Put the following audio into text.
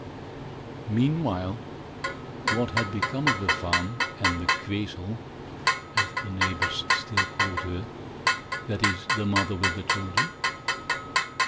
Meanwhile, what had become of the farm and "the Queezel," as the neighbors still called her that is, the mother with the children.